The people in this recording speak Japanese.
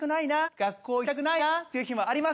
学校行きたくないなっていう日もあります。